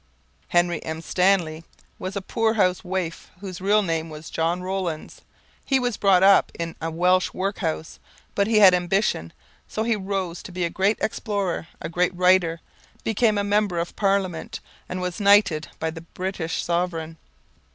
Henry M. Stanley was a poorhouse waif whose real name was John Rowlands. He was brought up in a Welsh workhouse, but he had ambition, so he rose to be a great explorer, a great writer, became a member of Parliament and was knighted by the British Sovereign.